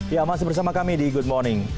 ya masih bersama kami di good morning